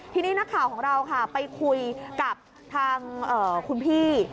ทีนี้นักข่าวของเราค่ะไปคุยกับทางคุณพี่